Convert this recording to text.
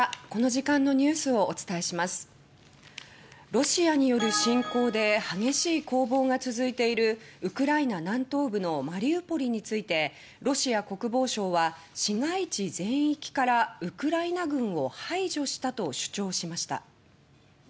ロシアによる侵攻で激しい攻防が続いているウクライナ南東部のマリウポリについてロシア国防省は市街地全域からウクライナ軍を排除したと主張しました。